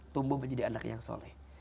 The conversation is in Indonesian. tumbuh menjadi anak yang soleh